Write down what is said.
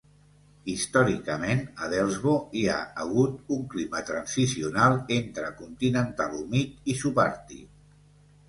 Històricament, a Delsbo hi ha hagut un clima transicional entre continental humid i subàrtic.